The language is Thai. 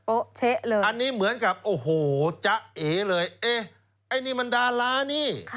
เช๊ะเลยอันนี้เหมือนกับโอ้โหจ๊ะเอเลยเอ๊ะไอ้นี่มันดารานี่